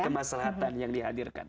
tujuan kemaslahatan yang dihadirkan